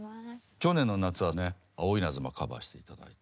去年の夏はね「青いイナズマ」カバーして頂いて。